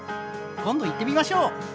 今度行ってみましょう！